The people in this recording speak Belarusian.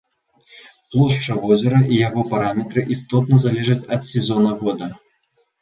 Плошча возера і яго параметры істотна залежаць ад сезона года.